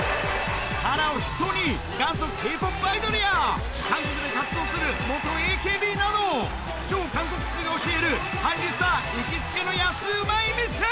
ＫＡＲＡを筆頭に、韓国で活動する元ＡＫＢなど、超韓国通が教える韓流スター行きつけの安い店。